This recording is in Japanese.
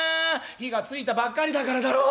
「火がついたばっかりだからだろう。